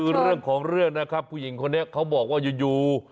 คือเรื่องของเรื่องนะครับผู้หญิงคนนี้เขาบอกว่าอยู่